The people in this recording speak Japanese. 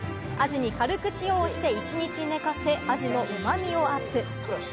アジに軽く塩をして一日寝かせ、アジのうまみをアップ。